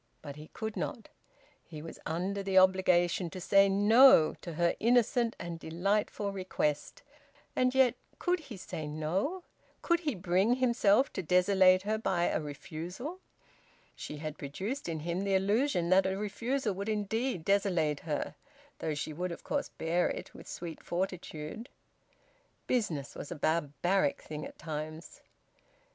But he could not. He was under the obligation to say `No' to her innocent and delightful request; and yet could he say `No'? Could he bring himself to desolate her by a refusal? (She had produced in him the illusion that a refusal would indeed desolate her, though she would of course bear it with sweet fortitude.) Business was a barbaric thing at times.